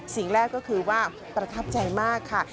สิ่งแรกก็คือว่าประทับใจมากค่ะ